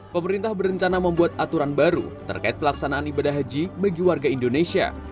pemerintah berencana membuat aturan baru terkait pelaksanaan ibadah haji bagi warga indonesia